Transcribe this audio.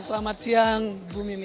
selamat siang ibu mimi